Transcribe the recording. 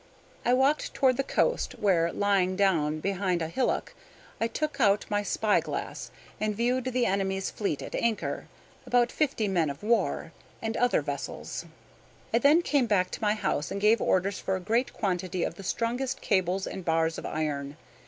I walked toward the coast, where, lying down behind a hillock, I took out my spy glass, and viewed the enemy's fleet at anchor about fifty men of war, and other vessels. I then came back to my house and gave orders for a great quantity of the strongest cables and bars of iron.